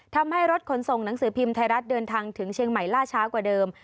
ทำให้รถขนส่งหนังสือพิมพ์ไทยรัฐเดินทางถึงเชียงใหม่ล่าช้ากว่าเดิม